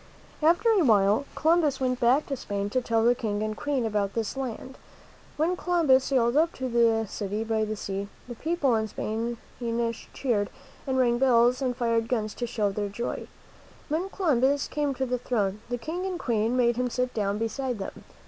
After a while, Columbus went back to Spain to tell the King and Queen about this land. When Columbus sailed up to the city by the sea, the people in Spain cheered and rang bells and fired guns to show their joy. When Columbus came to the throne, the King and Queen made him sit down beside them.